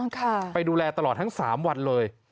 อ๋อค่ะไปดูแลตลอดทั้ง๓วันเลย